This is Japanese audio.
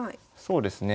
そうですね。